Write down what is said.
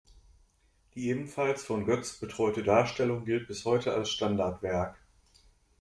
Die ebenfalls von Goetz betreute Darstellung gilt bis heute als Standardwerk.